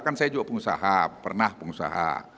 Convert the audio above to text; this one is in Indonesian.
kan saya juga pengusaha pernah pengusaha